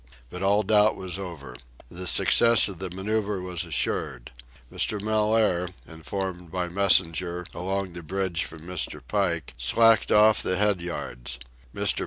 But all doubt was over. The success of the manoeuvre was assured. Mr. Mellaire, informed by messenger along the bridge from Mr. Pike, slacked off the head yards. Mr.